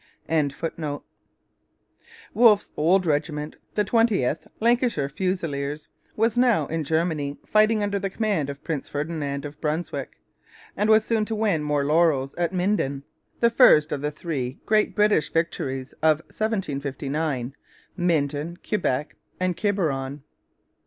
'] Wolfe's old regiment, the 20th (Lancashire Fusiliers), was now in Germany, fighting under the command of Prince Ferdinand of Brunswick, and was soon to win more laurels at Minden, the first of the three great British victories of 1759 Minden, Quebec, and Quiberon.